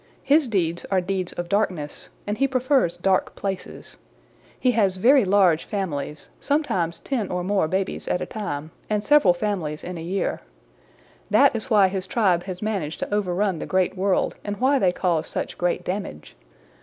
His deeds are deeds of darkness, and he prefers dark places. He has very large families, sometimes ten or more babies at a time, and several families in a year. That is why his tribe has managed to overrun the Great World and why they cause such great damage.